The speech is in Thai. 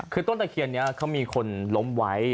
คือต้นตะเคียนนี้เขามีคนล้มไว้